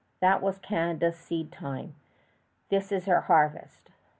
That was Canada's seed time; this is her harvest.